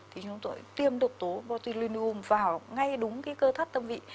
thì chúng tôi tiêm độc tố botulinium vào ngay đúng cái cơ thắt tâm vị